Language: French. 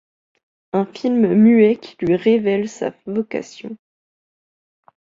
Un film muet qui lui révèle sa vocation.